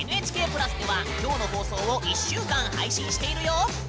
ＮＨＫ＋ではきょうの放送を１週間配信しているよ。